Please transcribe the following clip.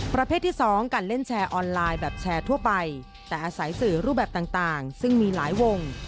ประเภทที่๒การเล่นแชร์ออนไลน์แบบแชร์ทั่วไปแต่อาศัยสื่อรูปแบบต่างซึ่งมีหลายวง